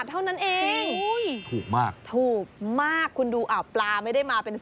เท่าไหร่